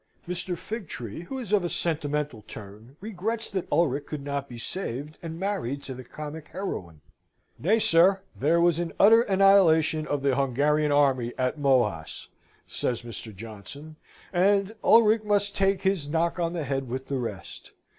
Mr. Figtree, who is of a sentimental turn, regrets that Ulric could not be saved, and married to the comic heroine. "Nay, sir, there was an utter annihilation of the Hungarian army at Mohacz," says Mr. Johnson, "and Ulric must take his knock on the head with the rest.